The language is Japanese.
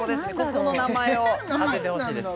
ここの名前を当ててほしいです